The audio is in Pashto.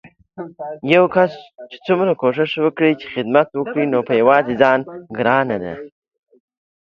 يو کس څومره کوښښ وکړي چې خدمت وکړي نو په يوازې ځان ګرانه ده